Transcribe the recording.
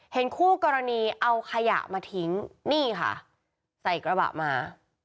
คู่กรณีเอาขยะมาทิ้งนี่ค่ะใส่กระบะมา